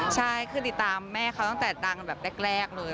ใช่คือติดตามแม่เขาตั้งแต่ดังแบบแรกเลย